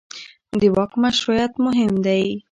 د واک مشروعیت مهم دی